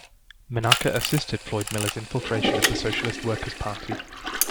Menaker assisted Floyd Miller's infiltration of the Socialist Workers Party.